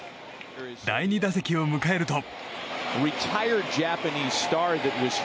第２打席を迎えると。